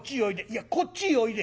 いやこっちへおいで。